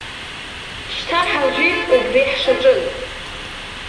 Шьҭа ҳажәит убри ҳшаҿыз.